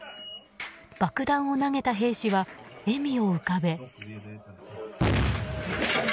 爆弾を投げた兵士は笑みを浮かべ。